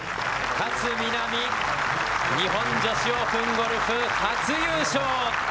勝みなみ、日本女子オープンゴルフ、初優勝。